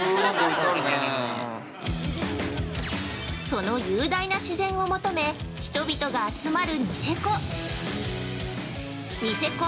◆その雄大な自然を求め、人々が集まるニセコ。